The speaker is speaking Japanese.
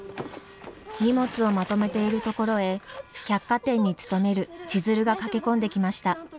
荷物をまとめているところへ百貨店に勤める千鶴が駆け込んできました。